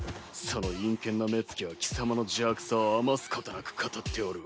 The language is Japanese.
その陰険な目つきは貴様の邪悪さを余すことなく語っておるわ。